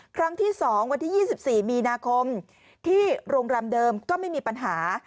ครั้งที่๒วันที่๒๔มีนาคมที่โรงแรมเดิมก็ไม่มีปัญหา